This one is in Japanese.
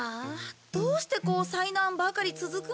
どうしてこう災難ばかり続くんだ。